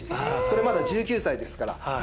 それまだ１９歳ですから。